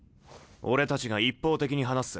俺たちが一方的に話す。